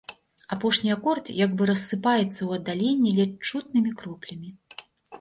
Апошні акорд як бы рассыпаецца ў аддаленні ледзь чутнымі кроплямі.